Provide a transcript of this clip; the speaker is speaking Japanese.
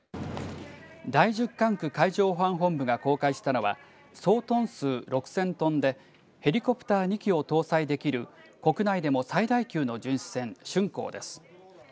第１０管区海上保安本部が公開したのは総トン数６０００トンでヘリコプター２機を搭載できる国内でも最大級の巡視船しゅんこうです。